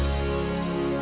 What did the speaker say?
rizky tuh kenapa ya